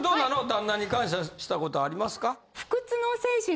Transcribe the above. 旦那に感謝したことありますか？